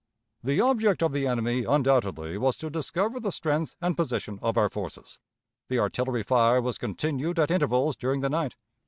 The object of the enemy undoubtedly was to discover the strength and position of our forces. The artillery fire was continued at intervals during the night.